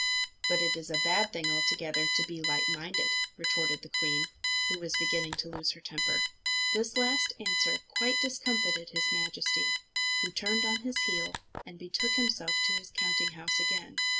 "But it is a bad thing altogether to be light minded," retorted the queen, who was beginning to lose her temper. This last answer quite discomfited his Majesty, who turned on his heel, and betook himself to his counting house again.